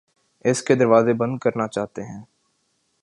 اس کے دروازے بند کرنا چاہتے ہیں